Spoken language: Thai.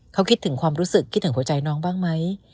เขาคิดถึงความรู้สึกคิดถึงหัวใจน้องบ้างไหม